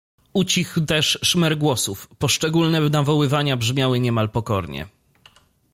Ucichł też szmer głosów, poszczególne nawoływania brzmiały niemal pokornie.